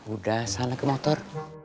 udah sana ke motor